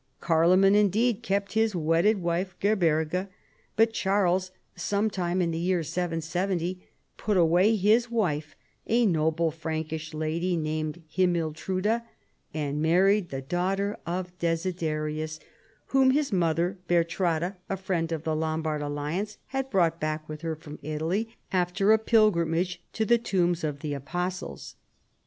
Carloman indeed kept his wedded wife Gerberga, but Charles, some time in the year 770, put away his wife, a noble Prankish lady, named Himiltruda, and married the daughter of Desiderius, whom his mother Bertrada, a friend of the Lombard alliance, had brought back with her from Italy after a pilgrimage to the tombs of the Apostles.